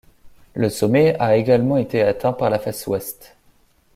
Le sommet a également été atteint par la face ouest.